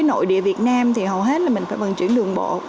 nội địa việt nam thì hầu hết là mình phải vận chuyển đường bộ